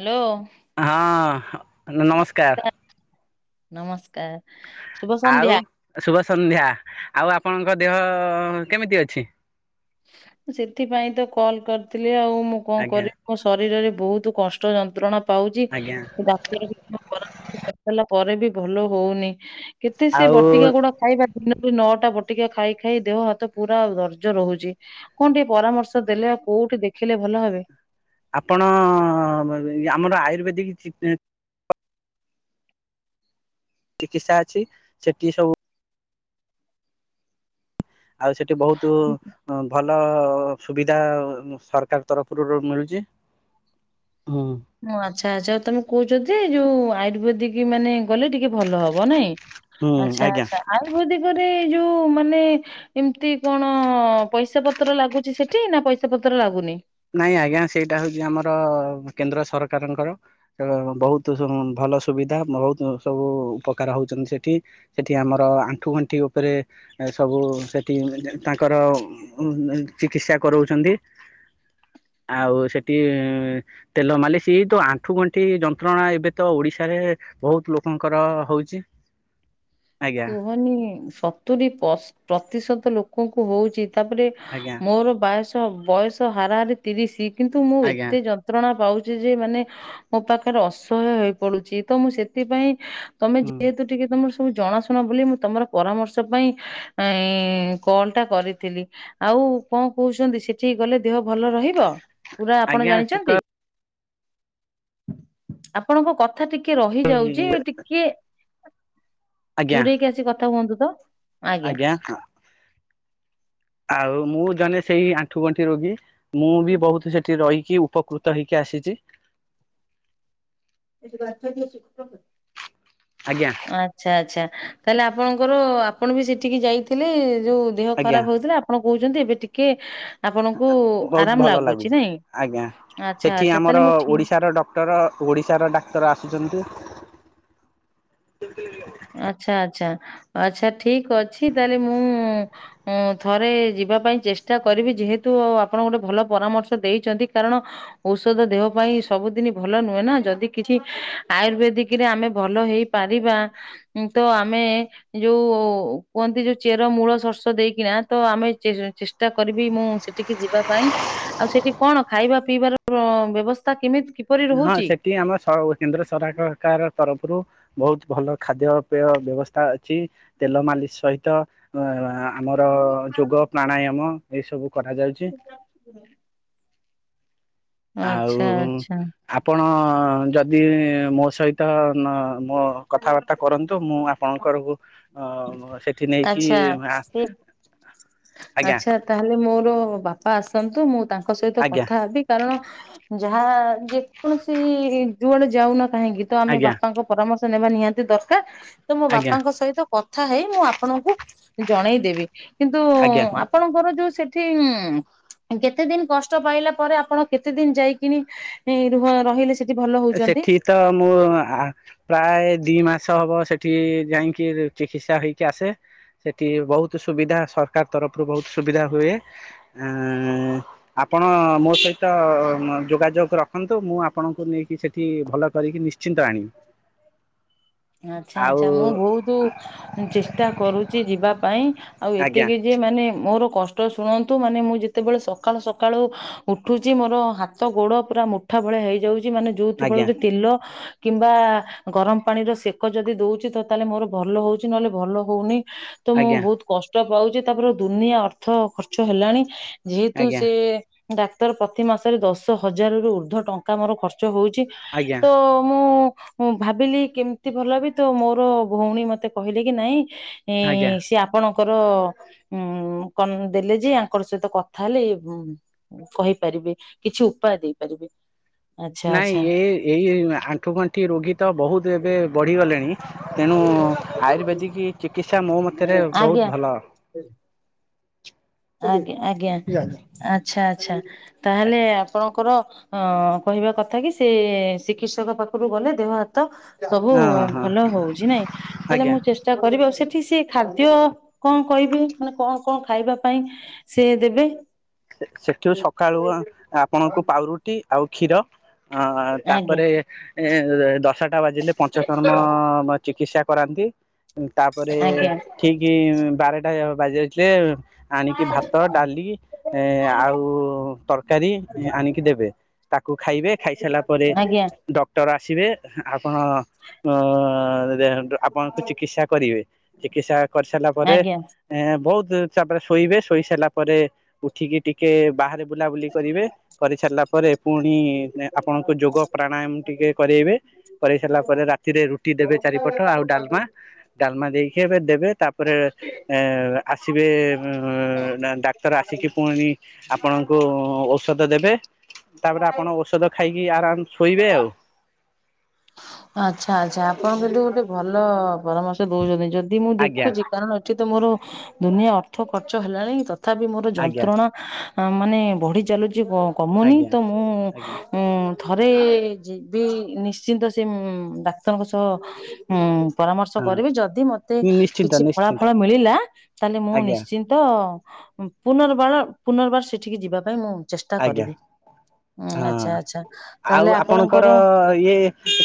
Hello ହଁ ନ ନ ନମସ୍କାର। ନମସ୍କାର ଶୁଭ ଆଉ ସନ୍ଧ୍ୟା। ଶୁଭ ସନ୍ଧ୍ୟା ଆଉ ଆପଣଙ୍କ ଦେହ କେମିତି ଅଛି। ସେଥିପାଇଁ ତ କଲ୍ କରିଥିଲି। ଆଉ ମୁଁ କଣ ଆଜ୍ଞା କରି ମୋ ଶରୀରରେ ବହୁତ କଷ୍ଟ ଯନ୍ତ୍ରଣା ପାଉଚି। ଆଜ୍ଞା ଏ ଡାକ୍ତର ବି ମୋ ପରାମର୍ଶ କରିଦେଲା ପରେ ବି ଭଲ ହଉନି। କେତେ ସେ ଆଉ ବଟିକା ଗୁଡ଼ାକ ଖାଇବା ଦିନକୁ ନଅଟା ବଟିକା ଖାଇ ଖାଇ ଦେହ ହାତ ପୁରା ଦର୍ଜ ରହୁଚି। କଣ ଟିକେ ପରାମର୍ଶ ଦେଲେ ଆଉ କୋଉଠି ଦେଖିଲେ ଭଲ ହେବେ? ଆପଣ ଆମର ଆୟୁର୍ବେଦିକ୍ ଚିକ୍ ଚିକିତ୍ସା ଅଛି। ସେଠି ସବୁ ଆଉ ସେଠି ବହୁତୁ ହଁ ଭଲ ସୁବିଧା ସରକାର ତରଫରୁ ମିଳୁଚି। ମୁଁ ଆଚ୍ଛା ଆଚ୍ଛା ତମେ କହୁଚ ଯେ ଯୋଉ ଆୟୁର୍ବେଦିକ୍ ମାନେ ଗଲେ ଟିକେ ଭଲ ହବ ନାଇଁ। ହୁଁ ଆଚ୍ଛା ଆଜ୍ଞା। ଆଚ୍ଛା ଆୟୁର୍ବେଦିକରେ ଏଇ ଯୋଉ ମାନେ ଏମିତି କଣ ପଇସା ପତ୍ର ଲାଗୁଛି ସେଠି ନାଁ ପଇସା ପତ୍ର ଲାଗୁନି। ନାଇଁ ଆଜ୍ଞା ସେଇଟା ହଉଛି ଆମର କେନ୍ଦ୍ର ସରକାରଙ୍କର। ତେଣୁ ବହୁତ୍ ସବୁ ଭଲ ସୁବିଧା ବହୁତ୍ ସବୁ ଉପକାର ହଉଛନ୍ତି ସେଠି। ସେଠି ଆମର ଆଣ୍ଠୁ ଗଣ୍ଠି ଉପରେ ଏ ସବୁ ସେଠି ତାଙ୍କର ଉଁ ଚିକିତ୍ସା କରଉଛନ୍ତି। ଆଉ ସେଠି ତେଲ ମାଲିସ୍ ତ ଆଣ୍ଠୁ ଗଣ୍ଠି ଯନ୍ତ୍ରଣା ଏବେ ତ ଓଡିଶାରେ ବହୁତ୍ ଲୋକଙ୍କର ହଉଚି। କୁହନି ସତୁରି ପଶ୍ ପ୍ରତିଶତ ଲୋକଙ୍କୁ ହଉଚି। ତାପରେ ଆଜ୍ଞା। ମୋର ବାୟସ ବୟସ ହାରାହାରି ତିରିଶି। କିନ୍ତୁ ମୁଁ ଆଜ୍ଞା ଏତେ ଯ ଯନ୍ତ୍ରଣା ପାଉଛି ଯେ ମାନେ ମୋ ପାଖରେ ଅସହ୍ୟ ହେଇ ପଡୁଛି ତ ମୁଁ ସେଥିପାଇଁ ତମେ ହୁଁ ଯେହେତୁ ଟିକେ ତମର ସବୁ ଜଣାଶୁଣା ବୋଲି ମୁଁ ତମର ପରାମର୍ଶ ପାଇଁ ଆଁଇ କଲ୍ ଟା କରିଥିଲି। ଆଉ କଣ କହୁଛନ୍ତି ସେଠିକି ଗଲେ ଦେହ ଭଲ ରହିବ? ପୁରା ଆପଣ ଆଜ୍ଞା ସେ ଜାଣିଛନ୍ତି ତ [unintelligible] ଆପଣଙ୍କ କ ଥା ଟିକେ ରହିଯାଉଛି ଟିକେ ଆଜ୍ଞା ଦୂରେଇକି ଆସି କଥା ହୁଅନ୍ତୁ ତ। ଆଜ୍ଞା ହାଁ। ଆଉ ମୁଁ ଜଣେ ସେଇ ଆଣ୍ଠୁ ଗଣ୍ଠି ରୋଗୀ ମୁଁ ବି ବହୁତ୍ ସେଠି ରହିକି ଉପକୃ ତ ହେଇକି ଆସିଛି। ସେଠି ବାଛା ଶୁକ୍ରକୁ। ଆଜ୍ଞା। ଆଛା ଆଛା ତାହାଲେ ଆପଣଙ୍କର ଆପଣ ବି ସେଠିକି ଯାଇଥିଲେ ଯଉ ଦେହ ଆଜ୍ଞା। ଖରାପ ହଉଥିଲା। ଆପଣ କହୁଛନ୍ତି ଏବେ ଟିକେ ଆପଣଙ୍କୁ ବହୁତ୍ ଆରାମ ଭଲ ଲାଗୁଛି ନାଇଁ ଆଜ୍ଞା ଆଚ୍ଛା ସେଠି ଆଚ୍ଛା ତାହେଲେ ଆମର ମୁଁ ଠିକ ଓଡିଶାର ଡ କ୍ଟର ଓଡ଼ିଶାର ଡାକ୍ତର ଆସୁଛନ୍ତି। ଆଛା ଆଛା ଆଛା ଠିକ୍ ଅଛି ତାହେଲେ ମୁଁ ଉଁ ଥରେ ଯିବା ପାଇଁ ଚେଷ୍ଟା କରିବି ଯେହେତୁ ଆପଣ ଗୋଟେ ଭଲ ପରାମର୍ଶ ଦେଇଛନ୍ତି କାରଣ ଔଷଧ ଦେହ ପାଇଁ ସବୁଦିନି ଭଲ ନୁହେଁ ନା ଯଦି କିଛି ଆୟୁର୍ବେଦିକ୍ ରେ ଆମେ ଭଲ ହେଇ ପାରିବା ତ ଆମେ ଯୋଉ କୁହନ୍ତି ଯଉ ଚେର ମୂଳ ସର୍ଷ ଦେଇକିନା ତ ଆମେ ଚେ ଚେ ଷ୍ଟା କରିବି ମୁଁ ସେଠିକି ଯିବା ପାଇଁ। ଆଉ ସେଠି କଣ ଖାଇବା ପିଇବାର ବ୍ୟବସ୍ଥା କେମିତି? କିପରି ହଁ ରହୁଛି? ସେଠି ଆମ ସ କେନ୍ଦ୍ର ସ ସରକାକାର ତରଫରୁ ବହୁତ୍ ଭଲ ଖାଦ୍ୟପେୟ ବ୍ୟବସ୍ଥା ଅଛି ତେଲ ମାଲିସ୍ ସହିତ ଆମର ଯୋଗ ପ୍ରାଣାୟମ ଏଇ ସବୁ କରାଯାଉଛି। [unintelligible] ଆଉ ଆଚ୍ଛା ଆଚ୍ଛା ଆପଣ ଯଦି ମୋ ସହିତ ନ ମୋ କଥାବାର୍ତ୍ତା କରନ୍ତୁ ମୁଁ ଆପଣଙ୍କର ଅ ସେଠି ନେଇକି ଆଜ୍ଞା ଆଛା ତାହାଲେ ମୋର ବାପା ଆସନ୍ତୁ ମୁଁ ତାଙ୍କ ସହିତ ଆଜ୍ଞା କଥା ହେବି। କାରଣ ଯାହା ଯେକୌଣସି ଯୁଆଡେ ଯାଉନା କାହିଁକି ତ ଆମେ ଆଜ୍ଞା ବାପାଙ୍କୁ ପରାମର୍ଶ ନେବା ନିହାତି ଦରକାର ତ ମୋ ଆଜ୍ଞା ବାପାଙ୍କ ସହିତ କଥା ହେଇ ମୁଁ ଆପଣଙ୍କୁ ଜଣେଇଦେବି କିନ୍ତୁ ଆଜ୍ଞା। ଆପଣଙ୍କର ଯୋଉ ସେଠି କେତେ ଦିନ କଷ୍ଟ ପାଇଲା ପରେ ଆପଣ କେତେ ଦିନ ଯାଇକିନି ରହିଲେ ସେଠି ଭଲ ହଉଛନ୍ତି? ସେଠି ତ ମୁଁ ଆ ପ୍ରାୟ ଦି ମାସ ହବ ସେଠି ଯାଇକି ଚିକିତ୍ସା ହେଇକି ଆସେ। ସେଠି ବହୁତ୍ ସୁବିଧା ସରକାର ତରଫରୁ ବହୁତ୍ ସୁବିଧା ହୁଏ। [inaudible] ଆପଣ ମୋ ସହିତ ଯୋଗାଯୋଗ ରଖନ୍ତୁ ମୁଁ ଆପଣଙ୍କୁ ନେଇ ସେଠି ଭଲ କରିକି ନି ଆଚ୍ଛା ଆଉ ଆଚ୍ଛା ମୁଁ ବହୁତ୍ ଚେଷ୍ଟା କରୁଛି ଯିବା ପାଇଁ ଆଉ ଆଜ୍ଞା ଏତିକି ଯେ ମାନେ ମୋର କଷ୍ଟ୍ କଷ୍ଟ ଶୁଣନ୍ତୁ ମାନେ ମୁଁ ଯେତେବେଳେ ସକାଳୁ ସକାଳୁ ଉଠୁଛି ମୋର ହାତ ଗୋଡ ପୁରା ମୁଠା ଭଳିଆ ହେଇଯାଉଛି ମାନେ ଯୋଉଥି ଆଜ୍ଞା ଫଳରେ ତେଲ କିମ୍ବା ଗରମ ପାଣିର ସେକ ଯଦି ଦଉଛି ତ ତାହେଲେ ମୋର ଭଲ ହଉଛି ନହେଲେ ଭଲ ହଉନି। ତ ମୁଁ ଆଜ୍ଞା ବହୁତ୍ କଷ୍ଟ ପାଉଛି ତାପରେ ଦୁନିଆ ଅର୍ଥ ଖର୍ଚ୍ଚ ହେଲାଣି ଯେହେତୁ ଆଜ୍ଞା ସେ ଡ଼ାକ୍ତର ପ୍ରତି ମାସରେ ଦଶ ହଜାର ରୁ ଉର୍ଦ୍ଧ୍ବ ଟଙ୍କା ମୋର ଖର୍ଚ୍ଚ ହଉଛି। ଆଜ୍ଞା। ତ ମୁଁ ଭାବିଲି କେମିତି ଭଲ ହେବି ତ ମୋର ଭଉଣୀ ମତେ କହିଲେ କି ନାଇଁ ଆଜ୍ଞା [unintelligible] ଆପଣଙ୍କର ଉଁ ଙ୍କ ଦେଲେ ଯେ ଆଙ୍କର ସହିତ କଥା ହେଲେ ଏ କହିପାରିବି କିଛି ଉପାୟ ଦେଇପାରିବି। ନାଇଁ ଏ ଏଇ ଆଣ୍ଠୁ ଗଣ୍ଠି ରୋଗୀ ତ ବହୁତ୍ ଏବେ ବଢିଗଲେଣି। ତେଣୁ ଆୟୁର୍ବେଦିକ ଚିକିତ୍ସା ମୋ ମତରେ ବହୁତ୍ ଆଜ୍ଞା ଭଲ। ଆଜ୍ଞା ଆଜ୍ଞା ଆଚ୍ଛା ଆଚ୍ଛା ତାହେଲେ ଆପଣଙ୍କ ଙ୍କର ଅ କହିବା କଥା କି ସେ ଚିକିତ୍ସକ ପାଖରୁ ଗଲେ ଦେହ ହାତ ସବୁ ହଁ ହଁ ଭଲ ହଉଛି ନାଇଁ ତାହେଲେ ଆଜ୍ଞା ମୁଁ ଚେଷ୍ ଚେଷ୍ଟା କରିବି ଆଉ ସେଠି ସେ ଖାଦ୍ୟ କଁ କହିବେ ମାନେ କଁ କଁ ଖାଇବା ପାଇଁ ସେ ଦେବେ। ସେଠୁ ସକାଳୁ ଆପଣଙ୍କୁ ପାଉଁରୁଟି ଆଉ କ୍ଷୀର ହଁ ଆଜ୍ଞା ତାପରେ ଏ ଦଶଟା ବାଜିଲେ ପଞ୍ଚକର୍ମ ଚିକିତ୍ସା କରାନ୍ତି। ତାପରେ ଆଜ୍ଞା ଠିକ୍ ବାରଟା ବାଜି ଯାଇଥିଲେ ଆଣିକି ଭାତ ଡାଲି ଏ ଆଉ ତରକାରୀ ଆଣିକି ଦେବେ। ତାକୁ ଖାଇବେ ଖାଇସାରିଲା ପରେ ଆଜ୍ଞା ଡ଼କ୍ଟର ଆସିବେ ଆପଣ ଅ ଆପଣଙ୍କୁ ଚିକିତ୍ସା କରିବେ ଚିକିତ୍ସା କରିସାରିଲା ପରେ ଆଜ୍ଞା ଏଁ ବହୁତ୍ ତାପରେ ଶୋଇବେ ଶୋଇ ସାରିଲା ପରେ ଉଠିକି ଟିକେ ବାହାରେ ବୁଲାବୁଲି କରିବେ କରିସାରିଲା ପରେ ପୁଣି ଆପଣଙ୍କୁ ଯୋଗ ପ୍ରାଣାୟାମ ଟିକେ କରାଇବେ କରିଇ ସାରିଲା ପରେ ରା ରାତି ରେ ରୁଟି ଦେବେ ଚାରିପଟ ଆଉ ଡ଼ାଲମା ଡ଼ାଲମା ଦେଇକି ଏବେ ଦେବେ ତାପରେ ଏ ଆସିବେ ଉଁ ଡ଼ାକ୍ତର ଆସିକି ପୁଣି ଆପଣଙ୍କୁ ଔଷଧ ଦେବେ। ତାପରେ ଆପଣ ଔଷଧ ଖାଇକି ଆରାମ ଶୋଇବେ ଆଉ। ଆଚ୍ଛା ଆଚ୍ଛା ଆପଣ କିନ୍ତୁ ଗୋଟେ ଭଲ ପରାମର୍ଶ ଦଉଛନ୍ତି ଯଦି ମୁଁ ଆଜ୍ଞା ଦେଖୁଛି କାରଣ ଏଠି ତ ମୋର ଦୁନିଆ ଅର୍ଥ ଖର୍ଚ୍ଚ ହେଲାଣି ତଥାପି ମୋର ଆଜ୍ଞା ଯନ୍ତ୍ରଣ ମାନେ ବଢି ଚାଲୁଛି କମୁନି ଆଜ୍ଞା ତ ମୁଁ ଆଜ୍ଞା। ଉଁ ଥରେ ଯିବି ନିଶ୍ଚିନ୍ତ ସେ ଡ଼ାକ୍ତରଙ୍କ ସହ ହଁ ପରାମର୍ଶ କରିବି ଯଦି ମତେ ନିଶ୍ଚିନ୍ତ କିଛି ନିଶ୍ଚିନ୍ତ ଫଳାଫଳ ମିଳିଲା ତାହେଲେ ମୁଁ ଆଜ୍ଞା ନିଶ୍ଚି ତ ପୁନର୍ବାର ପୁନର୍ବାର ସେଠିକି ଯିବା ପାଇଁ ମୁଁ ଚେଷ୍ଟା ଆଜ୍ଞା କରିବି ହଁ ଆଚ୍ଛା ଆଚ୍ଛା ତାହେଲେ ଆପଣଙ୍କର ଇଏ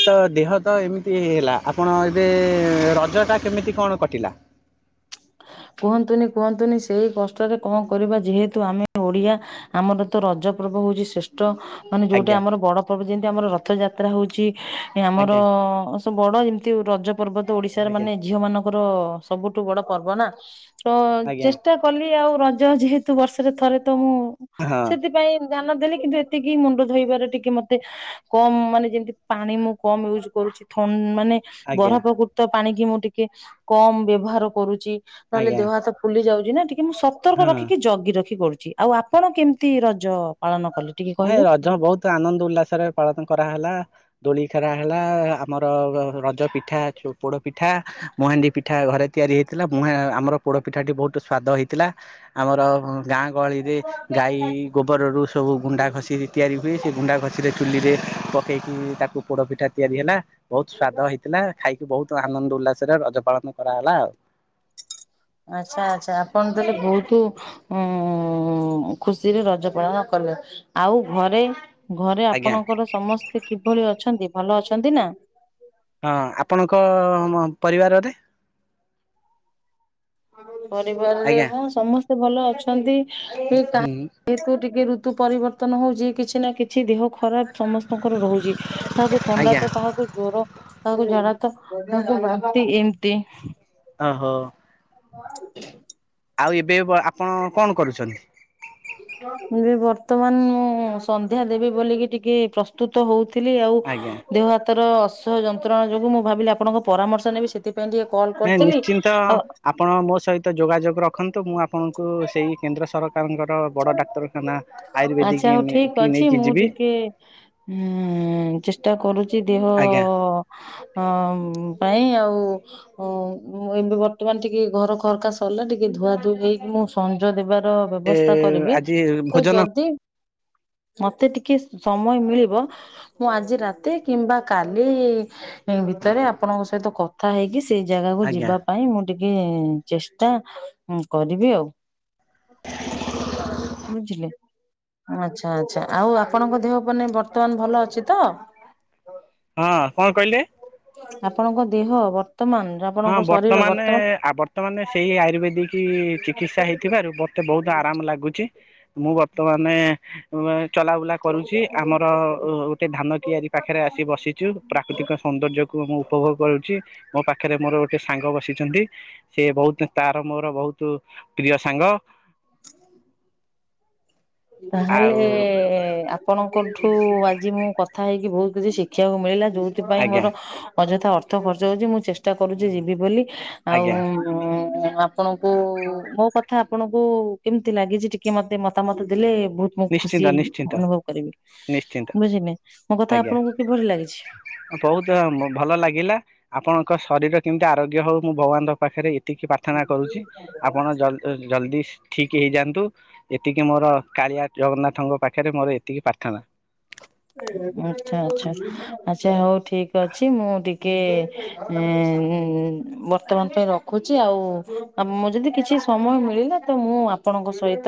ତ ଦେହ ତ ଏମିତି ହେ ହେଲା ଆପଣ ଏବେ ରଜ ଟା କେମିତି କଣ କଟିଲା? କୁହନ୍ତୁନି କୁହନ୍ତୁନି ସେଇ କଷ୍ଟରେ କଁ କରିବା ଯେହେତୁ ଆମେ ଓଡିଆ ଆମର ତ ରଜ ପର୍ବ ହଉଛି ଶ୍ରେଷ୍ ଟ ମାନେ ଯୋଉଟା ଆଜ୍ଞା ଆମର ବଡ ପର୍ବ ଯେମିତି ଆମର ରଥଯାତ୍ରା ହଉଛି ଆମର ଆଜ୍ଞା ବଡ ଏମିତି ରଜ ପର୍ବ ତ ଓଡିଶାର ଆଜ୍ଞା ମାନେ ଝିଅ ମାନଙ୍କର ସବୁଠୁ ବଡ ପର୍ବ ନା। ତ ଆଜ୍ଞା ଚେଷ୍ଟା କଲି ଆଉ ରଜ ଯେହେତୁ ବର୍ଷରେ ଥରେ ତ ମୁଁ ହଁ ସେଥିପାଇଁ ଧ୍ୟାନ ଦେଲେ କିନ୍ତୁ ଏତିକି ମୁଣ୍ଡ ଧୋଇବାର ଟିକେ ମତେ କମ ମାନେ ଯେମିତି ପାଣି ମୁଁ କମ ୟୁଜ କରୁଛି ଥ ମାନେ ଆଜ୍ଞା ବରା ପ୍ରକୃତ ପାଣି କି ମୁଁ ଟିକେ କମ୍ ବ୍ୟବହାର କରୁଛି ନହେଲେ ଆଜ୍ଞା ଦେହ ହାତ ଫୁଲି ଯାଉଛି ନା ଟିକେ ମୁଁ ସତର୍କ ହଁ ରଖିକି ଜଗି ରଖି କରୁଛି ଆଉ ଆପଣ କେମିତି ରଜ ପାଳନ କଲେ ଟିକେ ନାଇଁ କହିଲେ? ରଜ ବହୁତ୍ ଆନନ୍ଦ ଉଲ୍ଲାସରେ ପାଳନ କରାହେଲା। ଦୋଳି ଖରା ହେଲା ଆମର ରଜ ପିଠା ପୋଡ ପିଠା ମହାଣ୍ଡି ପିଠା ଘରେ ତିଆରି ହେଇଥିଲା ମୁହେଁ ଆମର ପୋଡ଼ପିଠାଟି ବହୁତ ସ୍ୱାଦ ହେଇଥିଲା ଆମର ଗାଁ ଗହଳିରେ ଗାଈ ଗୋବରରୁ ସବୁ ଗୁଣ୍ଡା ଘଷ ତିଆରି ହୁଏ ସେ ଗୁଣ୍ଡା ଘଷିରେ ଚୁଲିରେ ପକେଇକି ତାକୁ ପୋଡ ପିଠା ତିଆରି ହେଲା। ବହୁତ୍ ସ୍ଵାଦ ହେଇଥିଲା ଖାଇକି ବହୁତ ଆନନ୍ଦ ଉଲ୍ଲାସରେ ରଜ ପାଳନ କରାହଲା ଆଉ ଆଚ୍ଛା ଆଚ୍ଛା ଆପଣ ତାହେଲେ ବହୁତ୍ ଉଁ ଖୁସିରେ ରଜ ପାଳନ କଲେ ଆଉ ଘରେ ଘରେ ଆଜ୍ଞା। ଆପଣଙ୍କର ସମସ୍ତେ କିଭଳି ଅଛନ୍ତି ଭଲ ଅଛନ୍ତି ନା। ହଁ ଆପଣଙ୍କ ପରିବାରରେ ପରିବାରରେ ଆଜ୍ଞା ହଁ ସମସ୍ତେ ଭଲ ଅଛନ୍ତି କା ହୁଁ ଯେହେତୁ ଟିକେ ଋତୁ ପରିବର୍ତ୍ତନ ହଉଛି କିଛି ନା କିଛି ଦେହ ଖରାପ ସମସ୍ତଙ୍କର ରହୁଛି କାହାକୁ ଥଣ୍ଡା ଆଜ୍ଞା ତ କାହାକୁ ଜ୍ଵର କାହାକୁ ଝାଡ଼ା ତ କାହାକ୍ ବାନ୍ତି ଏମିତି ଓହୋ [inaudible] ଆଉ ଏବେ ଆପଣ କଣ କରୁଛନ୍ତି? ଏବେ ବର୍ତ୍ତମାନ ମୁଁ ସନ୍ଧ୍ୟା ଦେବି ବୋଲିକି ଟିକେ ପ୍ରଶ୍- ପ୍ରସ୍ତୁତ ହଉଥିଲି ଆଉ ଆଜ୍ଞା ଦେହ ହାତ ଅସ୍ୟ ଯନ୍ତ୍ରଣା ଯୋଗୁ ମୁଁ ଭାବିଲି ଆପଣଙ୍କ ପରାମର୍ଶ ନେବି ସେଥିପାଇଁ ଟିକେ କଲ୍ ନାଇଁ କରିଥିଲି ନିଶ୍ଚିନ୍ତ ଆଉ ଆପଣ ମୋ ସହିତ ଯୋଗାଯୋଗ ରଖନ୍ତୁ ମୁଁ ଆପଣଙ୍କୁ ସେଇ କେନ୍ଦ୍ର ସରକାରଙ୍କର ବଡ଼ ଡାକ୍ତରଖାନା ଆୟୁର୍ବେଦିକ ଆଚ୍ଛା ହଉ ଠିକ୍ କି ଅଛି ନେଇକି ମୁଁ ଯିବି ଟିକେ ହୁଁ ଚେଷ୍ଟା କରୁଛି ଦିହ ଆଜ୍ଞା ହଁ ପାଇଁ ଆଉ। ଓଁ ଏବେ ବର୍ତ୍ତମାନ ଟିକେ ଘର ଖରକା ସରିଲା ଟିକେ ଧୁଆ ଧୁଆ ହେଇକି ମୁଁ ସଂଜ ଦେବାର ଏ ବ୍ୟବସ୍ଥା କରିବି ଆଜି ତ ଭୋଜନ ଯଦି ମତେ ଟିକେ ସମୟ ମିଳିବ। ମୁଁ ଆଜି ରାତି କିମ୍ବା କାଲି ଭିତରେ ଆପଣଙ୍କ ସହିତ କଥା ହେଇକି ସେଇ ଜାଗାକୁ ଆଜ୍ଞା ଯିବା ପାଇଁ ମୁଁ ଟିକେ ଚେଷ୍ଟା କରିବି ଆଉ ବୁଝିଲେ। ଆଚ୍ଛା ଆଚ୍ଛା ଆଉ ଆପଣଙ୍କ ଦେହ ପେନ ବର୍ତ୍ତମାନ ଭଲ ଅଛି ତ। ହଁ କଣ କହିଲେ? ଆପଣଙ୍କ ଦେହ ବର୍ତ୍ତମାନ ଆପଣଙ୍କ ହଁ ଶରୀର ବର୍ତ୍ତମାନେ ବର୍ତ୍ତମାନ ବର୍ତ୍ତମାନେ ସେଇ ଆୟୁର୍ବେଦିକ ଚିକିତ୍ସା ହେଇଥିବାରୁ ମତେ ବହୁତ୍ ଆରାମ ଲାଗୁଛି ମୁଁ ବର୍ତ୍ତମାନ୍ ଉ ଚଲାବୁଲା କରୁଛି ଆମର ଗୋଟେ ଧାନ କିଆରି ପାଖରେ ଆସି ବସିଛୁ ପ୍ରାକୃତିକ ସୌନ୍ଦର୍ଯ୍ୟ କୁ ମୁଁ ଉପଭୋଗ କରୁଛି ମୋ ପାଖରେ ପାଖରେ ମୋର ଗୋଟେ ସାଙ୍ଗ ବସିଛନ୍ତି ସେ ବହୁତ୍ ତାର ମୋର ବହୁତ ପ୍ରିୟ ସାଙ୍ଗ। [inaudible] ତାହେଲେ ଆଉ ଆକୁ ଆପଣଙ୍କଠୁ ଆଜି ମୁଁ କଥା ହେଇକି ବହୁତ କିଛି ଶିଖିବାକୁ ମିଳିଲା ଯୋଉଥିପାଇଁ ଆଜ୍ଞା ମୋର ଅଯଥା ଅର୍ଥ ଖର୍ଚ୍ଚ ହଉଛି ମୁଁ ଚେଷ୍ଟା କରୁଛି ଯିବି ବୋଲି ଆଉ ଆଜ୍ଞା ହଁ ଆପଣଙ୍କୁ ମୋ କଥା ଆପଣଙ୍କୁ କେମିତି ଲାଗିଛି ଟିକେ ମତେ ମତାମତ ହେଲେ ବୁ ମୁଁ ନିଶ୍ଚିନ୍ତ ଖୁସି ନିଶ୍ଚିନ୍ତ ଅନୁଭବ କରିବି ନିଶ୍ଚିନ୍ତ ବୁଝିଲି ମୋ କଥା ଆପଣଙ୍କୁ କିଭଳି ଲାଗିଛି। ବୋହୁତୁ ଭଲ ଲାଗିଲା, ଆପଣଙ୍କ ଶରୀର କେମିତି ଆରୋଗ୍ୟ ହଉ ମୁଁ ଭଗବାନଙ୍କ ପାଖରେ ଏତିିକେ ପ୍ରାର୍ଥନା କରୁଛି। ଆପଣ ଜ- ଜଲଦି ଠିକ୍ ହେଇଯାଆନ୍ତୁ, ଏତିକି ମୋର କାଳିଆ। ଜଗନ୍ନାଥଙ୍କ ପାଖରେ ମୋର ଏତିକି ପ୍ରାର୍ଥନା। ଆଚ୍ଛା- ଆଚ୍ଛା- ଆଚ୍ଛା ହଉ ଠିକ୍ ଅଛି ମୁଁ ଟିକେଏ-ଏ ଉଁ- ଉଁ -ଏଁ -ଏଁ ବର୍ତ୍ତମାନ ପାଇଁ ରଖୁଛି ଆଉ ଆମ ଯଦି କିଛି ସମୟ ମିଳିଲା। ତ ମୁଁ ଆପଣଙ୍କ ସହିତ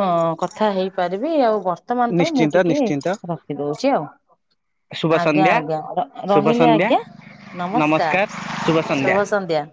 ହଁ କଥା ହେଇପାରିବି ଆଉ କଁ ବର୍ତ୍ତମାନ ପାଇଁ ମୁଁ ନିଶ୍ଚିନ୍ତ ଟିକେ ନିଶ୍ଚିନ୍ତ ରଖିଦଉଛି ଆଉ। ଶୁଭ ଆଜ୍ଞା- ସନ୍ଧ୍ୟା ଆଜ୍ଞା ଶୁଭ ରହିଲି ସନ୍ଧ୍ୟା ଆଜ୍ଞା ନମସ୍କାର୍ ଶୁଭ ସନ୍ଧ୍ୟା।